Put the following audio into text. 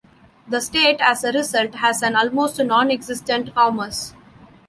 The state, as a result, has an almost non-existent commerce.